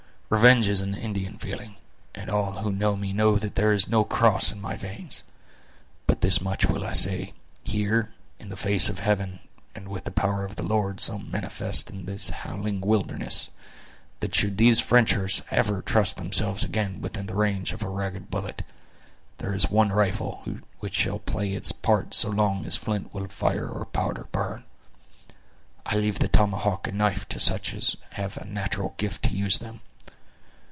Revenge is an Indian feeling, and all who know me know that there is no cross in my veins; but this much will I say—here, in the face of heaven, and with the power of the Lord so manifest in this howling wilderness—that should these Frenchers ever trust themselves again within the range of a ragged bullet, there is one rifle which shall play its part so long as flint will fire or powder burn! I leave the tomahawk and knife to such as have a natural gift to use them.